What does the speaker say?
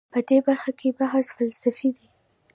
په دې برخه کې بحث فلسفي دی.